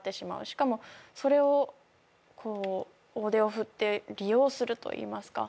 しかもそれをこう大手を振って利用するといいますか